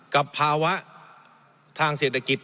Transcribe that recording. กับภาวะทางเศรษฐกิจ